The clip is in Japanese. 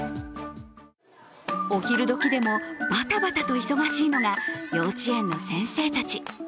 お昼どきでもバタバタと忙しいのが幼稚園の先生たち。